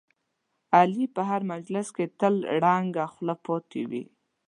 علي په هر مجلس کې تل ړنګه خوله پاتې وي.